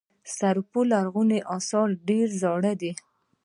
د سرپل لرغوني اثار ډیر زاړه دي